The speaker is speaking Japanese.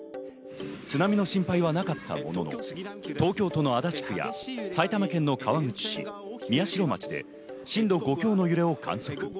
津波の心配はなかったものの、東京都の足立区や埼玉県の川口市、宮代町で震度５強の揺れを観測。